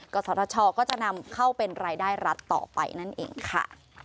ศทชก็จะนำเข้าเป็นรายได้รัฐต่อไปนั่นเองค่ะ